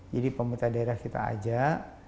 jadi pemerintah daerah kita ajak